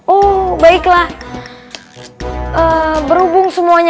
oh baiklah berhubung semuanya